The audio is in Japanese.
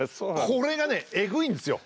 これがねえぐいんですよ。